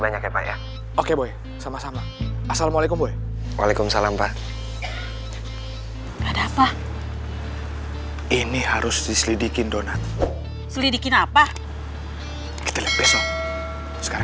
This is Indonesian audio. banyak ya pak ya oke boy sama sama assalamualaikum boy waalaikumsalam pak nggak ada apa